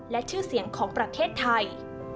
และชื่อเสียงของประเทศไทย